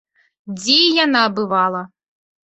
Дзе і яна бывала.